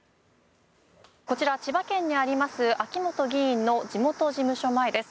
こちら千葉県にあります秋本議員の地元事務所前です。